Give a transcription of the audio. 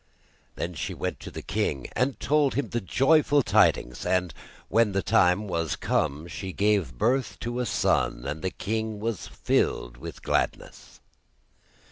Then she went to the king, and told him the joyful tidings, and when the time was come she gave birth to a son, and the king was filled with gladness.